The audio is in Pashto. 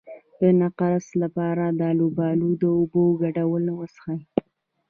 د نقرس لپاره د الوبالو او اوبو ګډول وڅښئ